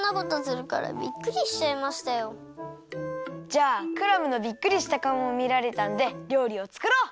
じゃあクラムのびっくりしたかおもみられたんで料理をつくろう！